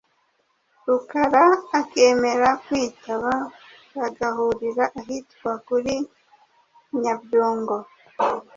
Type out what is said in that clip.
Rukara akemera kwitaba bagahurira ahitwa kuri Nyabyungo